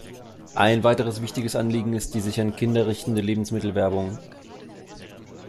Ein weiteres wichtiges Anliegen ist die sich an Kinder richtende Lebensmittelwerbung.